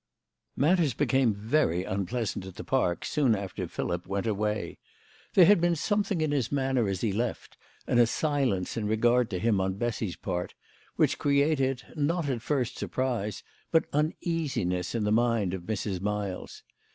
MATTERS became very unpleasant at the Park soon after Philip went away. There had been something in his THE LADY OF LAUNAY. 121 manner as he left, and a silence in regard to him on Bessy's part, which created, not at first surprise, but uneasiness in the mind of Mrs. Miles.